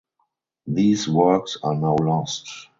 These works are now lost.